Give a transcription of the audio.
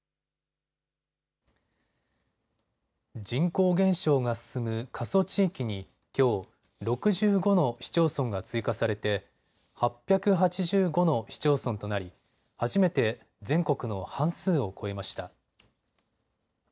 人口減少が進む過疎地域にきょう６５の市町村が追加されて８８５の市町村となり初めて全国の半数を超えました。